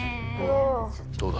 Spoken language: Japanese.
どうだ？